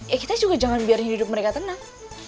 ya kita juga jangan biarin hidup mereka tenang